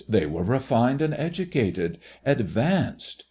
They were refined and educated advanced.